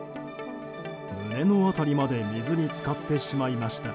胸の辺りまで水に浸かってしまいました。